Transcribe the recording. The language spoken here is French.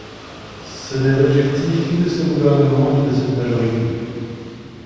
Ce n’est l’objectif ni de ce gouvernement, ni de cette majorité.